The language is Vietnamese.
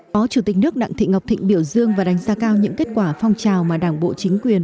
phó chủ tịch nước đặng thị ngọc thịnh biểu dương và đánh giá cao những kết quả phong trào mà đảng bộ chính quyền